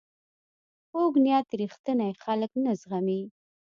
کوږ نیت رښتیني خلک نه زغمي